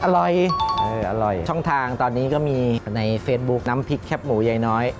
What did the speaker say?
อร่อยอร่อยช่องทางตอนนี้ก็มีในเฟซบุ๊คน้ำพริกแคบหมูยายน้อย